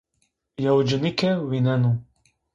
Yew cinîke vîneno